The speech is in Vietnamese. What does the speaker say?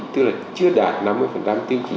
tức là chưa đạt năm mươi tiêu chí